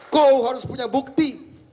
kau harus punya bukti